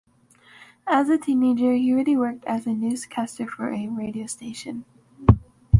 As a teenager he already worked as a newscaster for a radio station.